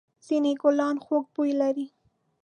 ځېنې گلان خوږ بوی لري.